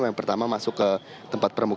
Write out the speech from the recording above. yang pertama masuk ke tempat permukaan